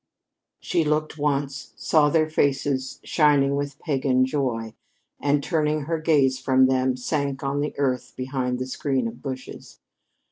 She looked once, saw their faces shining with pagan joy, and, turning her gaze from them, sank on the earth behind the screen of bushes.